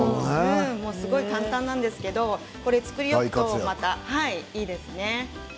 すごい簡単なんですけど作り置いておくといいですね。